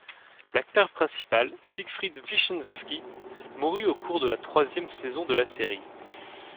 L'acteur principal, Siegfried Wischnewski, mourut au cours de la troisième saison de la série.